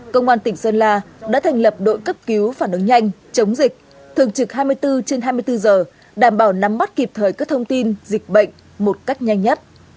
công an tỉnh sơn la đã thành lập đội cấp cứu phản ứng nhanh chống dịch thường trực hai mươi bốn trên hai mươi bốn giờ đảm bảo nắm bắt kịp thời các thông tin dịch bệnh một cách nhanh nhất